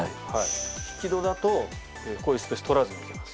引き戸だとこういうスペース取らずに行けます。